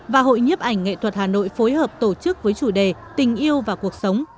và hội nhiếp ảnh nghệ thuật hà nội phối hợp tổ chức với chủ đề tình yêu và cuộc sống